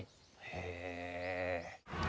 へえ。